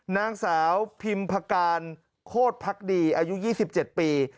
นางสาวพิมพการโคตรพักดีอายุ๒๗ปี